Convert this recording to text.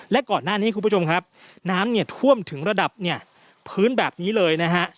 และก่อนหน้านี้คุณผู้ชมครับน้ำเนี่ยท่วมถึงระดับเนี่ยพื้นแบบนี้เลยนะฮะ